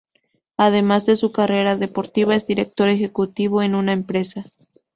Además de su carrera deportiva es director ejecutivo en una empresa.